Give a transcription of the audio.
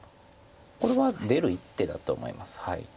これは出る一手だと思います。